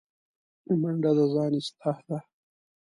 منډه د ځان اصلاح ده